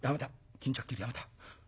巾着切りやめた。